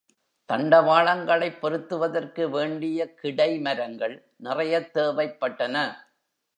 தண்டவாளங்களைப் பொருத்துவதற்கு வேண்டிய கிடை மரங்கள் நிறையத் தேவைப்பட்டன.